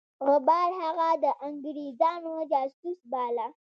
غبار هغه د انګرېزانو جاسوس باله.